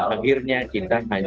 akhirnya kita harus berhati hati